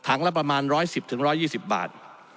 ละประมาณ๑๑๐๑๒๐บาท